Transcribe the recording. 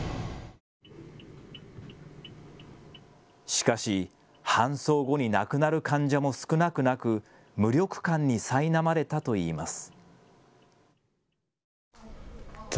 しかし搬送後に亡くなる患者も少なくなく無力感にさいなまれたといいます。